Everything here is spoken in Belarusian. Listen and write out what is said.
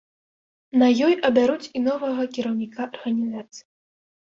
На ёй абяруць і новага кіраўніка арганізацыі.